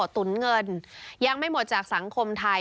ตุ๋นเงินยังไม่หมดจากสังคมไทย